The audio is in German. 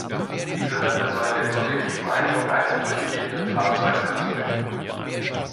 Diese Wände sollen den subjektiven Eindruck eines durchgehenden Fahrzeugs erzeugen.